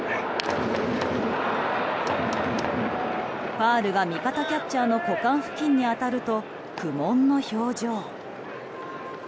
ファウルが味方キャッチャーの股間付近に当たると苦悶の表情。